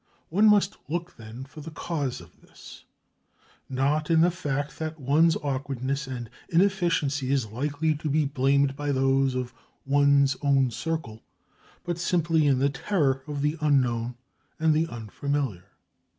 One must look then for the cause of this, not in the fact that one's awkwardness and inefficiency is likely to be blamed by those of one's own circle, but simply in the terror of the unknown and the unfamiliar.